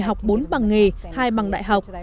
tôi học bốn bằng nghề hai bằng đại học